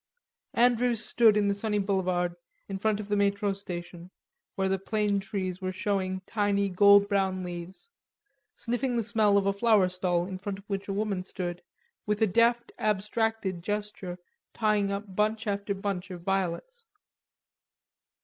Andrews stood in the sunny boulevard in front of the metro station, where the plane trees were showing tiny gold brown leaves, sniffing the smell of a flower stall in front of which a woman stood, with a deft abstracted gesture tying up bunch after bunch of violets.